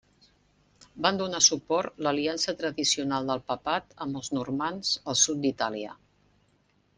Van donar suport l'aliança tradicional del papat amb els normands al sud d'Itàlia.